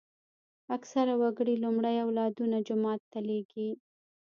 اکثره وګړي لومړی اولادونه جومات ته لېږي.